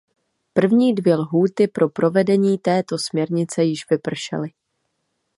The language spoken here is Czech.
První dvě lhůty pro provedení této směrnice již vypršely.